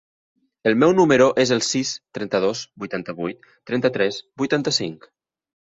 El meu número es el sis, trenta-dos, vuitanta-vuit, trenta-tres, vuitanta-cinc.